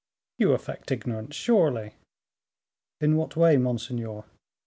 "You affect ignorance, surely." "In what way, monseigneur?"